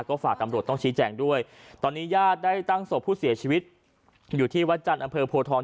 ก็ฝากตำรวจต้องชี้แจงด้วยตอนนี้ญาติได้ตั้งศพผู้เสียชีวิตอยู่ที่วัดจันทร์อำเภอโพทอง